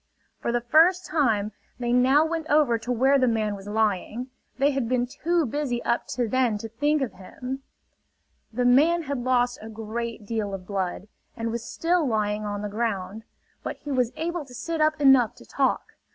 For the first time they now went over to where the man was lying. They had been too busy up to then to think of him. The man had lost a great deal of blood, and was still lying on the ground; but he was able to sit up enough to talk.